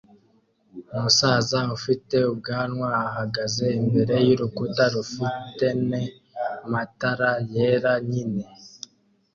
Umusaza ufite ubwanwa ahagaze imbere yurukuta rufitena matara yera nyinshi